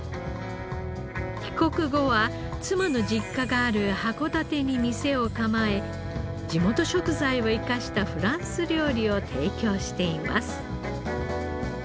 帰国後は妻の実家がある函館に店を構え地元食材を生かしたフランス料理を提供しています。